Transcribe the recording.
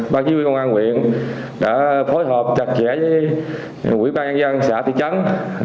ban chỉ huy công an huyện đã phối hợp chặt chẽ với quỹ ban an dân xã thị trắng